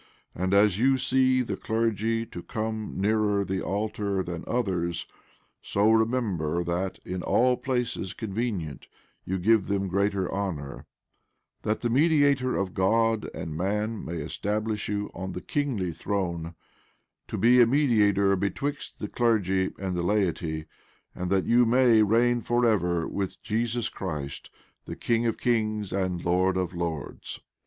And, as you see the clergy to come nearer the altar than others, so remember that, in all places convenient, you give them greater honor; that the Mediator of God and man may establish you on the kingly throne, to be a mediator betwixt the clergy and the laity; and that you may reign forever with Jesus Christ, the King of kings and Lord of lords."